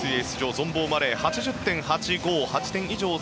ゾンボー・マレー、８０．８５。